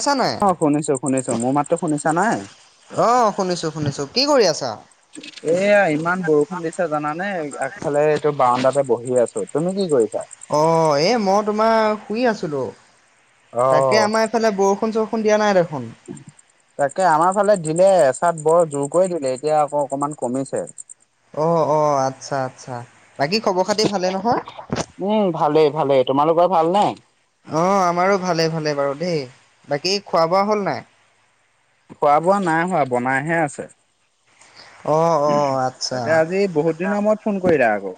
আছা নাই অ শুনিছো শুনিছো। মোৰ মাতটো শুনিছা নাই? অ শুনিছো শুনিছো। কি কৰি আছা? এয়া ইমান বৰষুণ দিছে জানানে আগফালে এইটো বাৰাণ্ডাতে বহি আছো। তুমি কি কৰিছা? অ এই মই তোমাৰ শুই আছিলোঁ। অ তাকে আমাৰ ইফালে বৰষুণ চৰষুণ দিয়া নাই দেখোন। [inaudible] তাকে আমাৰ ফালে দিলে এচাত বৰ জোৰ কৰি দিলে এতিয়া আকৌ অকমান কমিছে। অ অ আচ্ছা আচ্ছা বাকী খবৰ খাতি ভালে নহয়। উম ভালেই ভালেই। তোমালোকৰ ভাল নে? অ আমাৰো ভালে ভালে বাৰু দেই বাকী খোৱা বোৱা হ'ল নাই? খোৱা বোৱা নাই হোৱা বনাইহে আছে। অ' অ' আচ্ছা। তাকে আজি বহুত দিনৰ মূৰত ফোন কৰিলো আকৌ।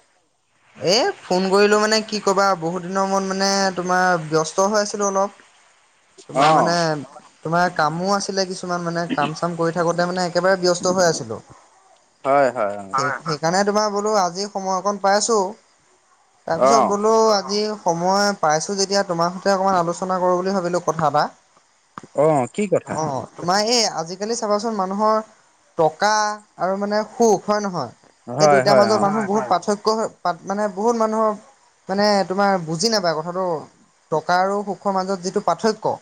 এই ফোন কৰিলোঁ মানে কি ক'বা বহুত দিনৰ মূৰত মানে তোমাৰ ব্যস্ত হৈ আছিলোঁ অলপ। [inaudible] তোমাৰ মানে তোমাৰ কামো আছিলে কিছুমান মানে কাম চাম কৰি থাকোতে মানে একেবাৰে ব্যস্ত হৈ আছিলোঁ। হয় হয় অ জানাই তোমাৰ বোলো আজি সময় অকণ পাই আছোঁ অ তাৰপিছত বোলো আজি সময় পাইছো যেতিয়া তোমাৰ সৈতে অকণমান আলোচনা কৰো বুলি ভাবিলো কথা এটা অ কি কথা তোমা এই আজিকালি চাবাচোন মানুহৰ টকা আৰু মানে সুখ হয় নহয়। সেই হয় দুয়টাৰ হয় মাজত অ মানুহ বহুত পাৰ্থক্য মানে বহুত মানুহৰ মানে তোমাৰ বুজি নাপায় কথাটো টকা আৰু সুখৰ মাজত যিটো পাৰ্থক্য।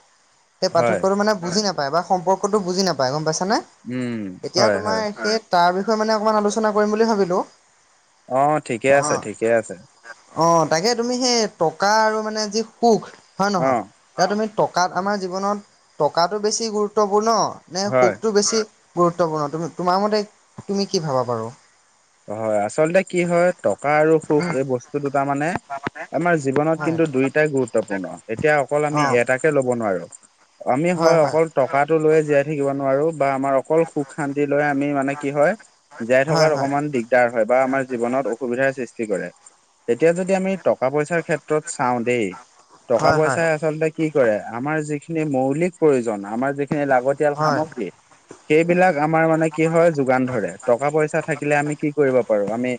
সেই হয় পাৰ্থক্যটো মানে বুজি নাপায় বা সম্পৰ্কতটো বুজি নাপায় গম পাইছানে। উম এতিয়া হয় তোমাৰ হয় সেই তাৰ বিষয়ে মানে অকমান আলোচনা কৰিম বুলি ভাবিলো। অ ঠিকে আছে ঠিকে আছে। অ তাকে তুমি সেই টকা আৰু মানে যি সুখ হয় অ নহয়। এ তুমি টকাত আমাৰ জীৱনত টকাটো বেছি গুৰুত্বপূৰ্ণ নে হয় সুখটো বেছি গুৰুত্বপূৰ্ণ তুমি তোমাৰ মতে তুমি কি ভাবা বাৰোঁ? হয় আচলতে কি হয় টকা আৰু সুখ উম, এই বস্তু দুটা মানে আমাৰ জীৱনত হয় কিন্তু দুইটাই গুৰুত্বপূৰ্ণ এতিয়া অকল আমি অ' এটাক কে ল'ব নোৱাৰোঁ। আমি হয় অকল টকাটো লৈ জীয়াই থাকিব নোৱাৰো বা আমাৰ অকল সুখ শান্তি লৈ আমি মানে কি হয় জীয়াই হয় থকাৰ হয় অকমান দিগদাৰ হয় বা আমাৰ জীৱনত অসুবিধাৰ সৃষ্টি কৰে তেতিয়া যদি আমি টকা পইচাৰ ক্ষেত্ৰত চাওঁ দেই টকা হয় হয় পইচাই আচলতে কি কৰে আমাৰ যিখিনি মৌলিক প্ৰয়োজন আমাৰ যিখিনি লাগতিয়াল হয় সামগ্ৰী সেইবিলাক আমাৰ মানে কি হয় যোগান ধৰে টকা পইচা থাকিলে আমি কি কৰিব পাৰো আমি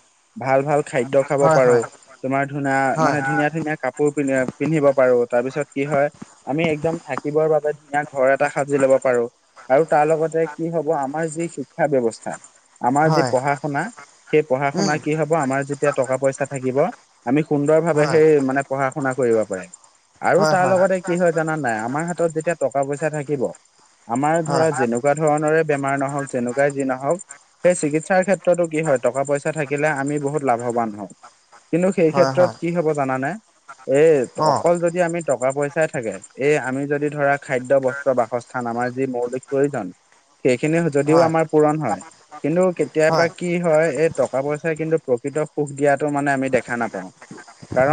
ভাল ভাল খাদ্য খাব হয় পাৰো তোমাৰ ধুনা হয় মানে ধুনীয়া ধুনীয়া কা- পোৰ পিন্ধ পিন্ধিব পাৰো তাৰ পিছত কি হয় আমি একদম থাকিবৰ বাবে ধুনীয়া ঘৰ এটা সাজি ল'ব পাৰো আৰু তাৰ লগতে কি হব আমাৰ যি শিক্ষা ব্যৱস্থা আমাৰ যি হয় হয় পঢ়া শুনা সেই পঢ়া শুনা উম কি হব আমাৰ যেতিয়া টকা পইচা থাকিব। আমি সুন্দৰ ভাৱে হয় সেই মানে পঢ়া শুনা কৰিব পাৰে। আৰু হয় তাৰ হয় লগতে কি হয় জানা নাই আমাৰ হাতত যেতিয়া টকা পইচা থাকিব আমাৰ ধৰা হয় যেনে তেনেকুৱা ধৰণৰে বেমাৰ নহওক যেনেকুৱাই যি নহওক সেই চিকিৎসাৰ ক্ষেত্ৰতো কি হয় টকা পইচা। থাকিলে আমি বহুত লাভৱান হওঁ। কিন্তু সেই হয় ক্ষেত্ৰত হয় কি হ'ব জানানে এই অ' অকল যদ, আমি টকা পইচাই থাকে এ আমি যদি ধৰা খাদ্য বস্ত বাসচ ন আমাৰ যি মৌলিক প্ৰয়োজন সেইখিনি যদিও হয় আমাৰ পূৰণ হয়, কিন্তু হয় কেতিয়াবা, কি হয় এই টকা পইচাই কিন্তু প্ৰকৃত সুখ দিয়াটো মানে আমি দেখা নাপাওঁ।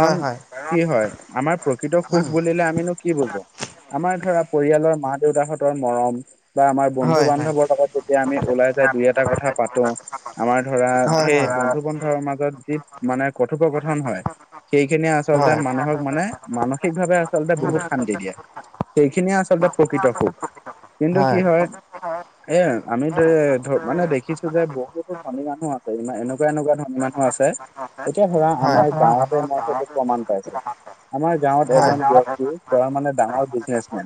হয় হয় কি হয় আমাৰ প্ৰকৃত উম সুখ বুলিলে আমিনো কি বুজো আমাৰ ধৰা পৰিয়ালৰ মা দেউতাহঁতৰ মৰম। বা আমাৰ হয় বন্ধু হয় বান্ধৱৰ লগত যেতিয়া আমি ওলাই যাই দুই এটা কথা পাতো। আমাৰ ধৰা হয় সেই বন্ধু বন্ধৰ হয় মাজত যি মানে কথোপকথন হয়। সেইখিনিয়ে আচলতে হয়। মানুহক মানে মানসিকভাৱে আচলতে উম, বহুত শান্তি দিয়ে। সেইখিনিয়ে আচলতে প্ৰকৃত সুখ কিন্তু কি হয়। এ আমি ধ ধ মানে দেখিছো যে বহুতো ধনী মানুহ আছে ইমান এনেকুৱা এনেকুৱা ধনী মানুহ আছে। এতিয়া ধৰা হয়। আমাৰ হয়। গাঁৱতে মই সেইটো প্ৰমাণ পাইছো। আমাৰ গাঁৱত হয়। হয়। এজন ব্যক্তি উম, তেওঁৰ মানে ডাঙৰ বিজনেচমেন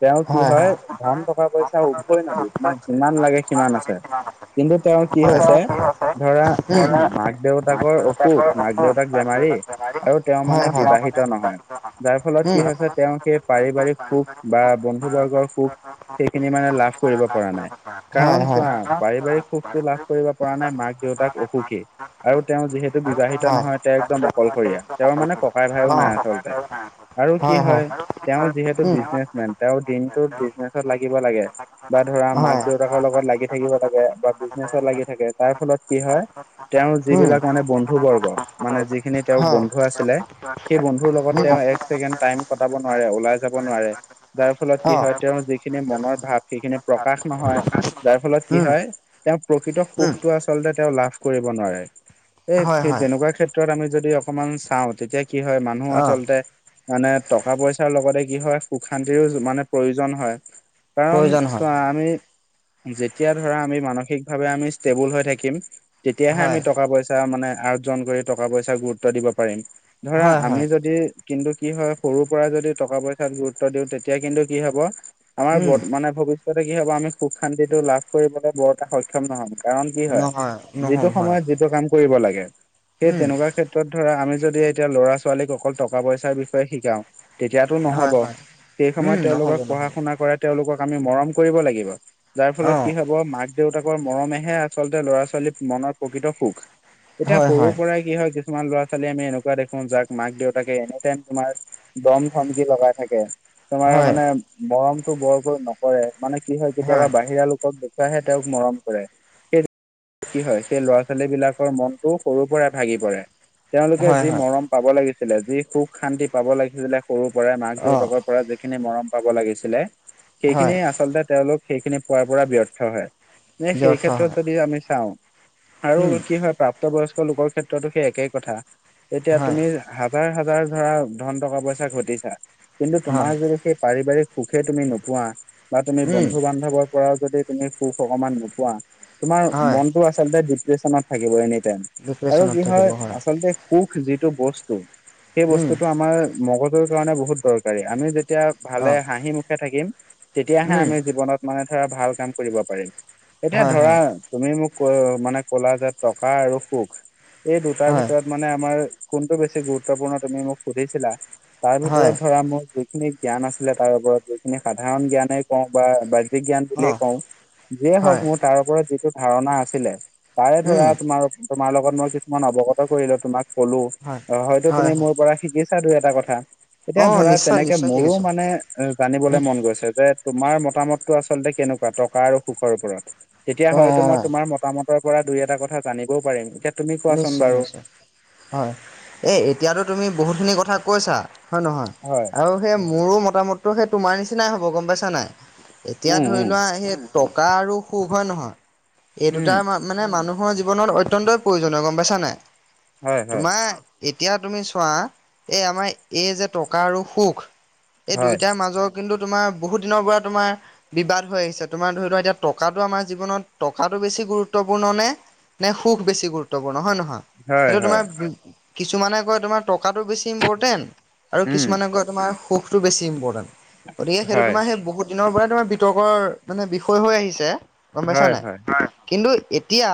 তেওঁ কি হয়, ধন টকা পইচা উভয় নদী তোমাক যিমান লাগে সিমান আছে কিন্তু তেওঁৰ কি হৈছে। ধৰা মাক দেউতাকৰ অসুখ, মাক দেউতাক বেমাৰী আৰু তেওঁ মানে হয়। বিবাহিত নহয় যাৰ ফলত উম। কি হৈছে তেওঁ সেই- পাৰিবাৰিক সুখ বা বন্ধু বৰ্গৰ সুখ সেইখিনি মানে লাভ কৰিব পৰা নাই। হয়, কাৰণ চোৱা পাৰিবাৰিক সুখতটো লাভ কৰিব পৰা নাই মাক দেউতাক অসুখী। হয়। আৰু তেওঁ যিহেতু বিবাহিত অ', নহয়। তেওঁ একদম অকলশৰীয়া তেওঁৰ মানে ককাই ভাইও নাই আচলতে আৰু কি হয় তেওঁ যিহেতু উম। হয়। বিজনেচমেন তেওঁৰ দিনটো বিজনেচত লাগিব লাগে। বা ধৰা মাক দেউতাকৰ লগত লাগি থাকিব লাগে বা বিজনেচত লাগি থাকে তাৰ ফলত কি হয়। তেওঁৰ উম, যিবিলাক মানে বন্ধু বৰ্গ মানে যিখিনি তেওঁৰ হয়, বন্ধু আছিলে। সেই বন্ধুৰ লগত উম, তেওঁ এক ছেকেণ্ড টাইম কটাব নোৱাৰে ওলাই যাব নোৱাৰে। যাৰ ফলত কি অ', হয় তেওঁৰ যিখিনি মনৰ ভাৱ সেইখিনি প্ৰকাশ নহয় যাৰ ফলত কি উম, হয়। তেওঁ প্ৰকৃত উম, সুখটো আচলতে তেওঁ লাভ কৰিব নোৱাৰে। এই হয়, সেই হয়, তেনেকুৱা ক্ষেত্ৰত আমি যদি অকমান চাওঁ তেতিয়া কি হয় মানুহ অ', আচলতে মানে টকা পইচাৰ লগতে কি হয় সুখ শান্তিৰো মানে প্ৰয়োজন হয়। কাৰণ প্ৰয়োজন হয়, চোৱা আমি যেতিয়া ধৰা আমি মানসিকভাৱে আমি ষ্টেবুল হৈ থাকিম। তেতিয়াহে আমি হয়, টকা পইচা মানে আৰ্জন কৰি টকা পইচা গুৰুত্ব দিব পাৰিম। ধৰা হয়, আমি হয়, যদি। কিন্তু কি হয় সৰুৰ পৰা যদি টকা পইচাত গুৰুত্ব দিওঁ তেতিয়া কিন্তু কি হব আমাৰ উম, বৰ মানে ভৱিষ্যতে কি হব আমি সুখ শান্তিটো লাভ কৰিবলৈ বৰতে সক্ষম নহম। কাৰণ কি হয় নহয়, নহ'ম যিটো হয়, সময়ত যিটো কাম কৰিব লাগে। সেই উম, তেনেকুৱা ক্ষেত্ৰত ধৰা আমি যদি এতিয়া ল'ৰা ছোৱালীক অকল টকা পইচাৰ বিষয়ে শিকাও, তেতিয়াতো হয়, নহব হয়, সেই উম, সময়ত নহ'ব, তেওঁলোকক পঢ়া নহ'ব, শুনা কৰাই, তেওঁলোক আমি মৰম কৰিব লাগিব যাৰ ফলত অ', কি হব মাক দেউতাকৰ মৰমেহে আচলতে ল'ৰা ছোৱালীৰ মনৰ প্ৰকৃত সুখ। এতিয়া হয়, সৰুৰ হয়, পৰাই কি হয় কিছুমান ল'ৰা ছোৱালী আমি এনেকৱা দেখো যাক মাক দেউতাকে এনি টাইম তোমাৰ। দম ধমকি লগাই থাকে। তোমাৰ হয়, মানে মৰমতটো বৰকৈ নকৰে মানে কি হয় কেতিয়াবা বাহিৰা লোকক দেখুৱাহে তেওঁক মৰম কৰে। কি হয়? সেই ল'ৰা ছোৱালী বিলাকৰ মনটো সৰুৰ পৰাই ভাগি পৰে। তেওঁলোকে হয়, যি হয়, মৰম পাব লাগিছিলে যি সুখ শান্তি পাব লাগিছিলে সৰুৰ পৰাই মাক অ', দেউতাকৰ পৰা যিখিনি মৰম পাব লাগিছিলে হয়, সেইখিনি আচলতে তেওঁলোক সেইখিনি পোৱাৰ পৰা ব্যৰ্থ হয়। নে সেই ব্যৰ্থ ক্ষেত্ৰত হয়, যদি আমি [unintelligible] আৰু উম। কি হয় প্ৰাপ্তবয়স্ক লোকৰ ক্ষেত্ৰতো সেই একেই কথা। এতিয়া হয় তুমি হাজাৰ-হাজাৰ ধৰা ধন টকা পইচা ঘটিছা কিন্তু তোমাৰ হয় যদি সেই পাৰিবাৰিক সুখে তুমি নোপোৱা বা তুমি উম বন্ধু বান্ধৱৰ পৰাও যদি তুমি সুখ অকমান নোপোৱা, তোমাৰ হয় মনটো আচলতে ডিপ্ৰেচনত থাকিব এনি টাইম। আৰু ডিপ্ৰেশ্যনত কি থাকিব হয়, আচলতে সুখ যিটো বস্তু, সেই উম বস্তুটো আমাৰ মগজৰ কাৰণে বহুত দৰকাৰী। আমি যেতিয়া ভালে অঁ হাঁহি মুখে থাকিম, তেতিয়াহে উম আমি জীৱনত মানে ধৰা ভাল কাম কৰিব পাৰিম। এতিয়া হয় ধৰা হয় তুমি মোক ক মানে কলা যে টকা আৰু সুখ এই দুটাৰ হয় ভিতৰত মানে আমাৰ কোনটো বেছি গুৰুত্বপূৰ্ণ তুমি মোক সুধিছিলা তাৰ হয় ভিতৰত ধৰা মোৰ যিখিনি জ্ঞান আছিলে তাৰ ওপৰত যিখিনি সাধাৰণ জ্ঞানে কওঁ বা ব্যাজিক জ্ঞান বুলিয়ে অঁ কওঁ। যিয়ে হয় হওঁক মোৰ তাৰ ওপৰত যিটো ধাৰণা আছিলে তাৰে ধৰা উম তোমাৰ-তোমাৰ লগত মই কিছুমান অৱগত কৰিলোঁ, তোমাক কলোঁ হয় অ হয়তো হয় তুমি হয় মোৰ পৰা শিকিছা দুই এটা কথা, এতিয়া অঁ ধৰা নিশ্চয় তেনেকে নিশ্চয় মোৰো শিকিছোঁ মানে এ উম জানিবলৈ মন গৈছে যে তোমাৰ মতামতটো আচলতে কেনেকুৱা টকা আৰু সুখৰ ওপৰত তেতিয়া অঁ হয়তো মই অঁ তোমাৰ মতামতৰ পৰা দুই এটা কথা জানিবও পাৰিম। এতিয়া তুমি কোৱাচোন বাৰু। নিশ্চয়-নিশ্চয় হয়। এই এতিয়াতো তুমি বহুতখিনি কথা কৈছা? হয় নহয়? হয়। আৰু সেই উম মোৰো মতামতটো সেই তোমাৰ নিচিনাই হ'ব গম পাইছা নাই। এতিয়া উম ধৰি উম লোৱা সেই টকা আৰু সুখ হয় নহয়? এই দুটা উম, আমাৰ মানে মানুহৰ জীৱনত অত্যন্তই প্ৰয়োজনীয় গম পাইছানে? হয় হয় তোমাৰ এতিয়া তুমি চোৱা এই আমাৰ এই যে টকা আৰু সুখ, এই হয় দুয়োটাৰ মাজত কিন্তু তোমাৰ বহুত দিনৰ পৰা তোমাৰ বিবাদ হৈ আহিছে তোমাৰ ধৰি লোৱা এতিয়া টকাটো আমাৰ জীৱনত টকাটো বেছি গুৰুত্বপূৰ্ণ নে নে সুখ বেছি গুৰুত্বপূৰ্ণ হয় নহয়? হয় সেইটো তোমাৰ হয় কিছুমানে কয় তোমাৰ টকাটো বেছি ইম্পৰ্টেণ্ট আৰু উম কিছুমানে তোমাৰ সুখটো বেছি ইম্পৰ্টেণ্ট। গতিকে সেইটো হয় তোমাৰ সেই বহুত দিনৰ পৰাই তোমাৰ বিতৰ্কৰ মানে বিষয় হৈ আহিছে গম পাইছা হয় নাই? হয় কিন্তু এতিয়া,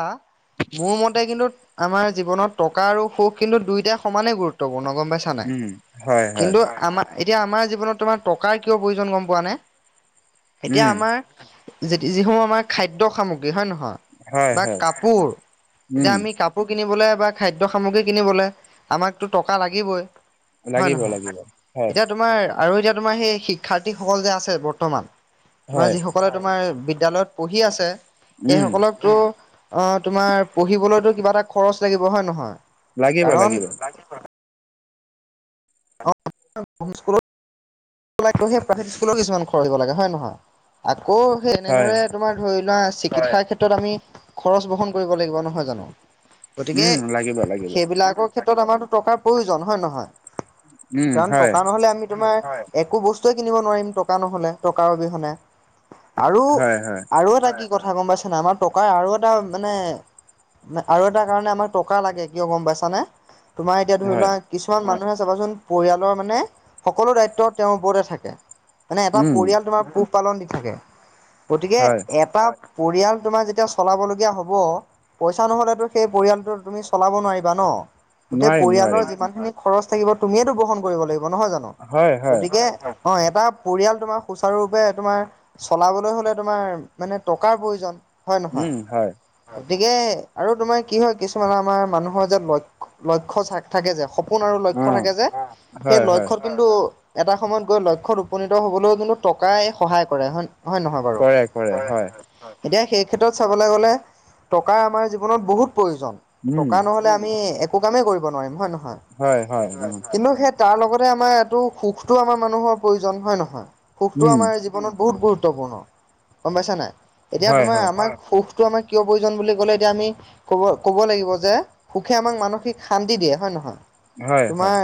মোৰ কিন্তু আমাৰ জীৱনত টকা আৰু সুখ কিন্তু দুয়োটাই সমানেই গুৰুত্বপূৰ্ণ গম পাইছো নাই। উম হয় হয় কিন্তু আমাৰ এতিয়া আমাৰ জীৱনত তোমাৰ টকাৰ কিয় প্ৰয়োজন গম পোৱা নে? এতিয়া উম আমাৰ যিসমূহ আমাৰ খাদ্য সামগ্ৰী হয়ে নহয়, হয় বা হয় কাপোৰ এতিয়া উম আমি কাপোৰ কিনিবলৈ বা খাদ্য সামগ্ৰী কিনিবলৈ আমাকতো টকা লাগিবই। হয় লাগিব নহয়? লাগিব হয় এতিয়া তোমাৰ আৰু এতিয়া তোমাৰ সেই শিক্ষাৰ্থীসকল যে আছে বৰ্তমান, তোমাৰ হয় যিসকলৰ তোমাৰ বিদ্যালয়ত পঢ়ি আছে, উম সেইসকলক টো অ, তোমাৰ পঢ়িবলৈতো কিবা এটা খৰচ লাগিব হয় নহয়? কাৰণ লাগিব-লাগিব। স্কুলত সেই প্ৰভে [unintelligible] স্কুলৰ কিছুমান খৰচ দিব লাগে হয় নহয়? আকৌ সেই হয় এনেদৰে তোমাৰ ধৰি লোৱা শিক্ষাৰ ক্ষেত্ৰত আমি খৰচ বহন কৰিব লাগিব নহয় জানো? গতিকে উম লাগিব লাগিব সেইবিলাকক ক্ষেত্ৰত আমাৰো টকাৰ প্ৰয়োজন হয় নহয়? উম কাৰণ হয় টকা নহ'লে আমি তোমাৰ একো বস্তুৱে কিনিব নোৱাৰিম টকা নহ'লে টকাৰ অবিহনে, আৰু হয় হয় আৰু এটা কি কথা গম পইচা নাই আমাৰ টকাৰ আৰু এটা মানে আৰু এটা কাৰণে আমাৰ টকা লাগে কিয় গম পাইছানে? তোমাৰ এতিয়া ধৰি হয় লোৱা কিছুমান মানুহে চাবাচোন পৰিয়ালৰ মানে সকলো দায়িত্বত থাকে, মানে এটা উম পৰিয়াল তোমাৰ পোহ পালন দি থাকে। গতিকে হয় এটা পৰিয়াল তোমাৰ যেতিয়া চলাবলগীয়া হ'ব, পইচা নহ'লেতো সেই পৰিয়ালটো তুমি চলাব নোৱাৰিবা ন? গোটেই নোৱাৰিম পৰিয়ালৰ নোৱাৰিম যিমানখিনি খৰচ থাকিব তুমিয়েতো বহন কৰিব লাগিব নহয় জানো? হয় হয় গতিকে অ, এটা পৰিয়াল তোমাৰ সুচাৰুৰূপে তোমাৰ চলাবলৈ হ'লে তোমাৰ মানে টকাৰ প্ৰয়োজন, হয় নহয়। উম হয় গতিকে আৰু তোমাৰ কি হয় কিছুমান আমাৰ মানুহৰ যে লক্ষ্য লক্ষ্য থাকে যে সপ- কোন আৰু অ লক্ষ্য থাকে যে সেই হয় হয় লক্ষ্যত কিন্তু এটা সময়ত গৈ লক্ষ্যত উপনীত হ'বলৈও কিন্তু টকাই সহায় কৰে হয় হয় নহয় বাৰু। কৰে কৰে হয় এতিয়া সেই ক্ষেত্ৰত চাবলৈ গলে টকা আমাৰ জীৱনত বহুত প্ৰয়োজন, টকা উম নহলে আম- মি একো কামে কৰিব নোৱাৰিম হয় নহয়, হয় হয় উম কিন্তু তাৰ লগতে আমাৰ এটো সুখটো আমাৰ মানুহৰ প্ৰয়োজন হয় নহয়, সুখটো উম আমাৰ জী- জীৱনত বহুত গুৰুত্বপূৰ্ণ, গম পাইছা নাই। এতিয়া হয় তোমাৰ হয় আমাক সুখটো আমাৰ কিয় প্ৰয়োজন বুলি ক'লে এতিয়া আমি ক'ব ক'ব লাগিব যে, সুখে আমাক মানসিক শান্তি দিয়ে হয় নে নহয়। হয় হয় তোমাৰ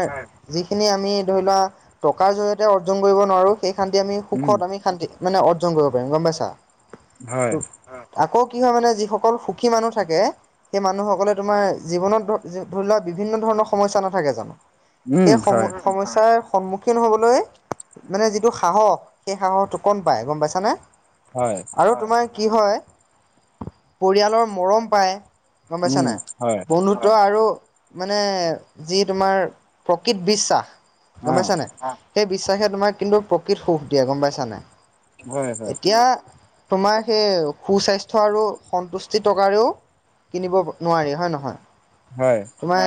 যিখিনি আমি ধৰি লোৱা টকাৰ জৰিয়তে অৰ্জন কৰিব নোৱাৰো, সেই শান্তি আমি উম সুখত আমি শান্তি মানে অৰ্জন কৰিব পাৰিম গম পাইছা। হয় ত আকৌ কি হয় মানে যিসকল সুখী মানুহ থাকে। সেই মানুহসকলে তোমাৰ জীৱনত ধৰি লোৱা বিভিন্ন ধৰণৰ সমস্যা নাথাকে জানো। উম সেই সম হয় সমস্যাৰ সন্মুখীন খীন হ'বলৈ মানে যিটো সাহস সেই সাহসটো কম পায়, গম পাইছানে। হয়। আৰু তোমাৰ কি হয় পৰিয়ালৰ মৰম পায়, গম পাইছা উম নাই হয় বন্ধুত্ব আৰু মানে যি তোমাৰ প্ৰকৃত বিশ্বাস গম অ পাইছা নাই সেই বিশ্বাসে তোমাক কিন্তু প্ৰকৃত সুখ দিয়ে গম পাইছা নাই। হয় হয় এতিয়া তোমাৰ সেই সুস্বাস্থ্য আৰু সন্তুষ্টি টকাৰেও কিনিব নোৱাৰি হয় নহয়। হয়। তোমাৰ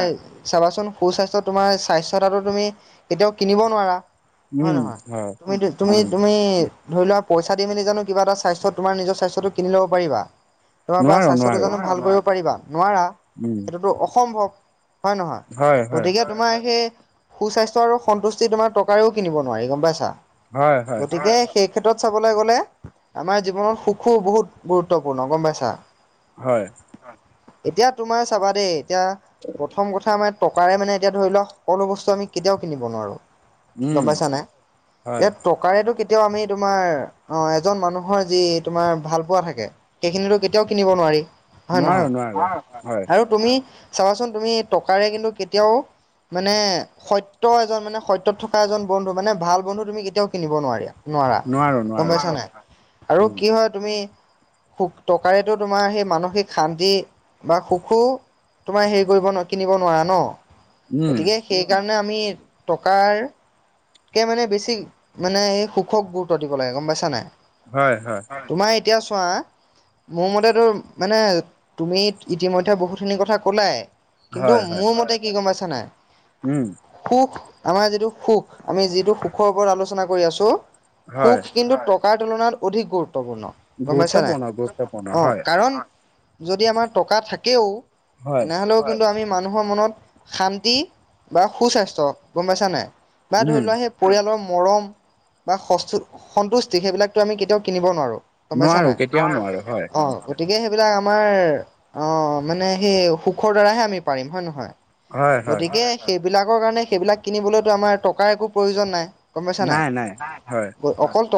চাবাচোন সুস্বাস্থ্য তোমাৰ স্বাস্থ্যতাটো তুমি কেতিয়াও কিনিব নোৱাৰা। হয় উম নহয়, হয় তুমি তুমি উম তুমি ধৰি লোৱা পইচা দি মেলি জানো কিবা এটা স্বাস্থ্য তোমাৰ নিজৰ স্বাস্থ্যটো কিনি ল'ব পাৰিবা। তোমাৰ বা নোৱাৰো স্বাস্থ্যটো নোৱাৰো জনো ভাল কৰিব পাৰিবা, নোৱাৰা। উম। টো অসম্ভৱ হয় নহয় হয় হয় গতিকে তোমাৰ সেই সু-স্বাস্থ্য আৰু সন্তুষ্ট যি তোমাৰ টকাৰেও কিনিব নোৱাৰি গম পাইছা। হয় হয় গতিকে সেই ক্ষেত্ৰত চাবলৈ গ'লে আমাৰ জীৱনত সুখো বহুত গুৰুত্বপূৰ্ণ গম পাইছা। হয়। এতিয়া তোমাৰ চাবা দেই এতিয়া প্ৰথম কথা মানে টকাৰে মানে এতিয়া ধৰি ল সকলো বস্তু আমি কেতিয়াও কিনিব নোৱাৰোঁ গম উম পাইছা নাই এ হয় ট- কাৰেটো কেতিয়াও আমি তোমাৰ অ এজন মানুহৰ যি তোমাৰ ভালপোৱা থাকে সেইখিনিতো কেতিয়াও কিনিব নোৱাৰি হয় নোৱাৰো নহয় নোৱাৰো হয় আৰু তুমি চাবাচোন তুমি টকাৰে কিন্তু কেতিয়াও মানে সত্য এজন মানে সত্য- ত থকা এজন বন্ধ মানে ভাল বন্ধু তুমি কেতিয়াও কিনিব নোৱাৰিয়া। নোৱাৰা নোৱাৰো গম নোৱাৰো পাইছা নাই আৰু উম কি হইট তুমি টকাৰেতো তোমাৰ সেই মানসিক শান্তি বা সুখো তোমাৰ হেৰি কৰিব কিনিব নোৱাৰা ন। উম গতিকে সেইকাৰণে আমি কাৰ কে মানে বেছি মানে এই সুখক গুৰুত্ব দিব লাগে গম পাইছা নাই। হয় হয়। তোমাৰ এতিয়া চোৱা মোৰ মতেতো মানে তুমি ইতিমধ্যে বহুতখিনি কথা কলাই কিন্তু হয় হয় মোৰ মতে কি গম পাইছানাই, উম। সুখ আমাৰ যিটো সুখ আমি যিটো সুখৰ ওপৰত আলোচনা কৰি আছোঁ। সুখ হয় কিন্তু টকাৰ তুলনাত অধিক গুৰুত্বপূৰ্ণ। গম পাইছা নাই। গুৰুত্বপূৰ্ণ গুৰুত্বপূৰ্ণ অ হয় কাৰণ যদি আমাৰ টকা থাকেও হয় তেনেহ'লেও কিন্তু আমি মানুহৰ মনত শান্তি বা সুস্বাস্থ্য গম পাইছা নাই। বা ধৰি উম লোৱা সেই পৰিয়ালৰ মৰম বা স-সন্তুষ্টি সেইবিলাকতো আমি কেতিয়াও কিনিব নোৱাৰোঁ। গম পাইছা নোৱাৰো নাই কেতিয়াও নোৱাৰো হয় অ গতিকে সেইবিলাক আমাৰ অ মানে সেই সুখৰ দ্বাৰাহে আমি পাৰিম হয় নহয়। হয় হয় গতিকে সেইবিলাকৰ কাৰণে সেইবিলাক কিনিবলৈতো আমাৰ টকাৰ একো প্ৰয়োজন নাই। গম পাইছা নাই অকল ট